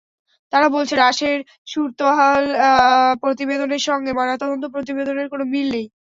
তারা বলছে, লাশের সুরতহাল প্রতিবেদনের সঙ্গে ময়নাতদন্ত প্রতিবেদনের কোনো মিল নেই।